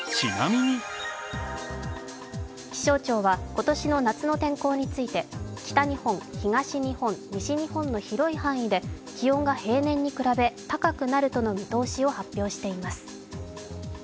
気象庁は今年の夏の天候について北日本、東日本、西日本の広い範囲で気温が平年に比べ高くなるとの見通しを発表しています。